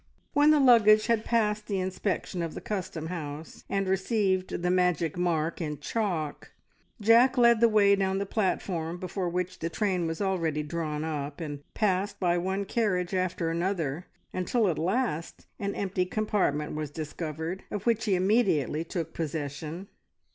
When the luggage had passed the inspection of the custom house and received the magic mark in chalk, Jack led the way down the platform, before which the train was already drawn up, and passed by one carriage after another, until at last an empty compartment was discovered, of which he immediately took possession.